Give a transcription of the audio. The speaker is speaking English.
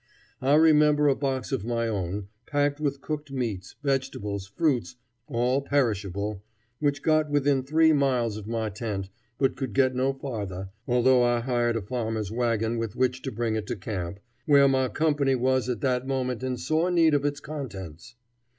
I remember a box of my own, packed with cooked meats, vegetables, fruits, all perishable, which got within three miles of my tent, but could get no farther, although I hired a farmer's wagon with which to bring it to camp, where my company was at that moment in sore need of its contents.